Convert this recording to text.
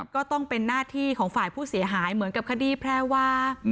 ก็ต้องเป็นหน้าที่ของฝ่ายผู้เสียหายเหมือนกับคดีแพรวา